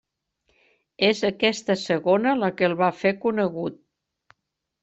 És aquesta segona la que el va fer conegut.